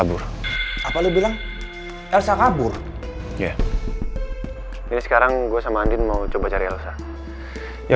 berkabar sama gue ya